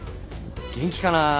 元気かな？